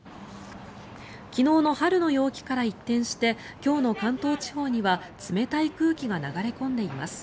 昨日の春の陽気から一転して今日の関東地方には冷たい空気が流れ込んでいます。